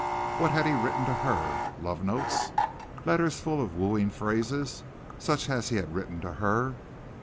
What had he written to her? love notes. Letters full of wooing phrases such as he had written to her.